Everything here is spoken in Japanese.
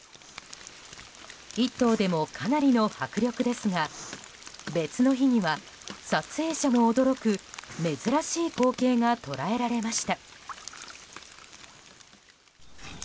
１頭でも、かなりの迫力ですが別の日には撮影者も驚く珍しい光景が捉えられました。